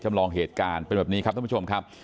ลองเหตุการณ์เป็นแบบนี้ครับท่านผู้ชมครับ